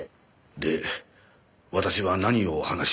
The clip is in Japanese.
で私は何をお話しすれば。